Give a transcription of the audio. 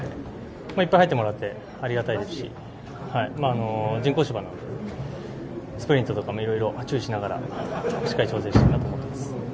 いっぱい入ってもらってありがたいですし人工芝なのでスプリントなどにも注意しながらしっかり調整したいなと思います。